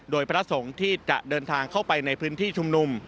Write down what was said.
โดยพระสงฆ์ที่จะเดินทางเข้าไปในพื้นที่ชุมนุม